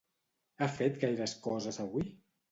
Ha fet gaires coses avui?